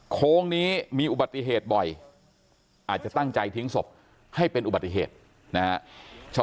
โค้งนี้มีอุบัติเหตุบ่อยอาจจะตั้งใจทิ้งศพให้เป็นอุบัติเหตุนะฮะ